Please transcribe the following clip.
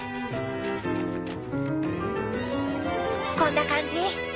こんな感じ？